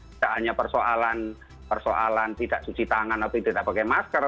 tidak hanya persoalan tidak cuci tangan atau tidak pakai masker